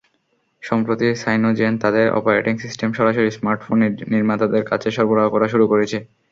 সম্প্রতি সাইনোজেন তাদের operating system সরাসরি স্মার্টফোন নির্মাতাদের কাছে সরবরাহ করা শুরু করেছে।